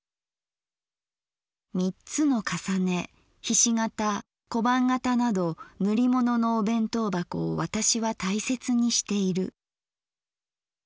「三つの重ね菱形小判型など塗り物のお弁当箱を私は大切にしている。